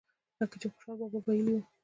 لکه چې خوشحال بابا وئيلي وو۔